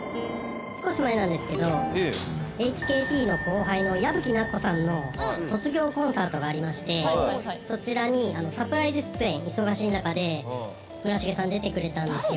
少し前なんですけどＨＫＴの後輩の矢吹奈子さんの卒業コンサートがありましてそちらにサプライズ出演忙しい中で村重さん出てくれたんですよ」